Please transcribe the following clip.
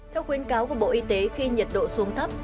theo khuyến cáo của bộ y tế khi nhiệt độ xuống thấp